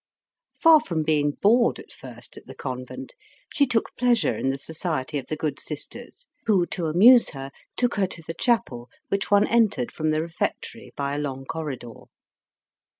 Far from being bored at first at the convent, she took pleasure in the society of the good sisters, who, to amuse her, took her to the chapel, which one entered from the refectory by a long corridor.